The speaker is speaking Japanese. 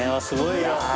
すごい！